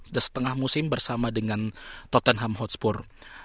dan setengah musim bersama dengan tottenham hotspur